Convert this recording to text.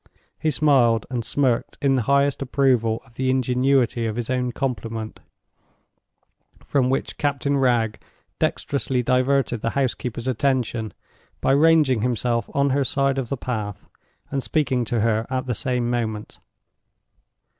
He smiled and smirked in the highest approval of the ingenuity of his own compliment—from which Captain Wragge dexterously diverted the housekeeper's attention by ranging himself on her side of the path and speaking to her at the same moment.